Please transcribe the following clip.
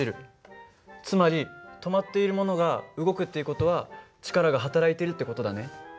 つまり止まっているものが動くっていう事は力がはたらいているって事だね。